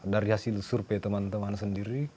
dari hasil survei teman teman sendiri